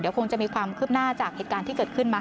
เดี๋ยวคงจะมีความขึ้นหน้าจากเหตุการณ์ที่เกิดขึ้นมา